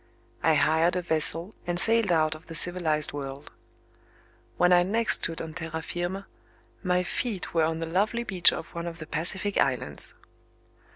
I hired a vessel, and sailed out of the civilized world. When I next stood on terra firma, my feet were on the lovely beach of one of the Pacific Islands.